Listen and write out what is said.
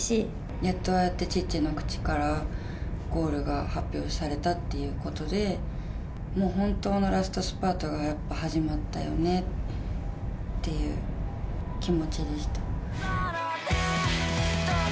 やっとああやってチッチの口からゴールが発表されたっていうことで、もう本当のラストスパートが、やっぱ始まったよねっていう気持ちでした。